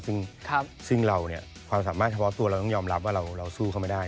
ซึ่งเราเนี่ยความสามารถเฉพาะตัวเราต้องยอมรับว่าเราสู้เขาไม่ได้